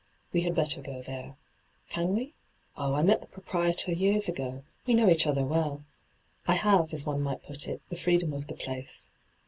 ' We had better go there. Can we ? Oh, I met the proprietor years ago ; we know each other well. I have, as one might put it, the freedom of the place.